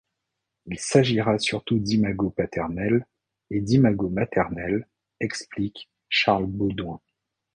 Il s'agira surtout d'imago paternelle et d'imago maternelle explique Charles Baudouin.